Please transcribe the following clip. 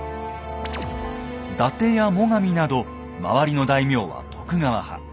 伊達や最上など周りの大名は徳川派。